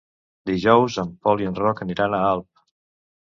Dijous en Pol i en Roc aniran a Alp.